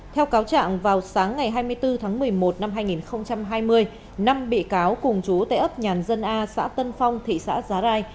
theo cáo trạng vào sáng ngày hai mươi bốn tháng một mươi một năm hai nghìn hai mươi năm bị cáo cùng chú tại ấp nhàn dân a xã tân phong thị xã giá rai